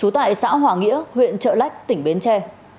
là xã hòa nghĩa huyện trợ lách tỉnh biến tre